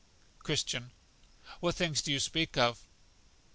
Christian. What things do you speak of?